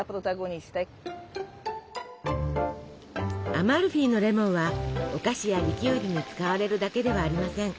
アマルフィのレモンはお菓子やリキュールに使われるだけではありません。